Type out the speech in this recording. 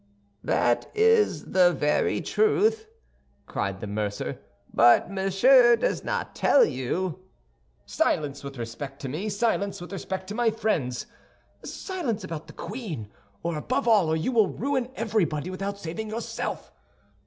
"That is the very truth," cried the mercer; "but Monsieur does not tell you—" "Silence, with respect to me, silence, with respect to my friends; silence about the queen, above all, or you will ruin everybody without saving yourself!